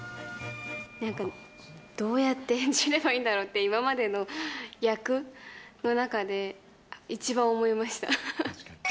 なんか、どうやって演じればいいんだろうって、今までの役の中で、一番思いました。